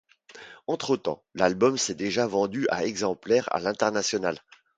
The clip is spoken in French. Entretemps, l'album s'est déjà vendu à exemplaires à l'international.